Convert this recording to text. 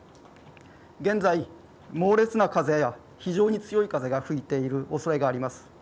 現在、猛烈な風や非常に強い風が吹いているおそれがあります。